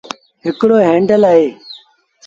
هڪڙو هينڊل اهي۔